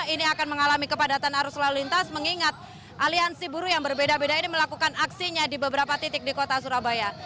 ini akan mengalami kepadatan arus lalu lintas mengingat aliansi buruh yang berbeda beda ini melakukan aksinya di beberapa titik di kota surabaya